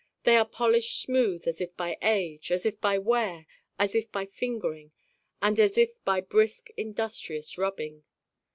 They are polished smooth as if by age, as if by wear, as if by fingering and as if by brisk industrious rubbing.